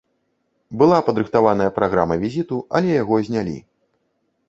Была падрыхтаваная праграма візіту, але яго знялі.